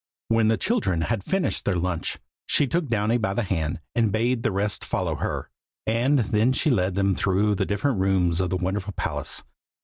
When the children had finished their lunch, she took Downy by the hand, and bade the rest follow her: and then she led them through the different rooms of the wonderful palace.